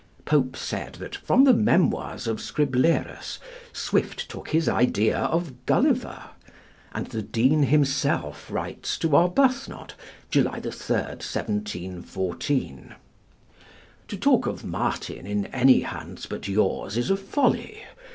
Pope said that from the 'Memoirs of Scriblerus' Swift took his idea of 'Gulliver'; and the Dean himself writes to Arbuthnot, July 3d, 1714: "To talk of 'Martin' in any hands but Yours is a Folly.